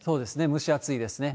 蒸し暑いですね。